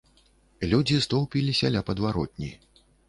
Людзі стоўпіліся ля падваротні.